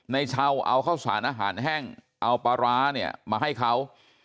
ในเช้าเอาข้าวสารอาหารแห้งเอาปลาร้าเนี่ยมาให้เขา